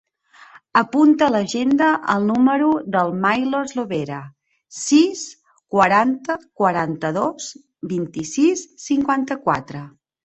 Apunta a l'agenda el número del Milos Lobera: sis, quaranta, quaranta-dos, vint-i-sis, cinquanta-quatre.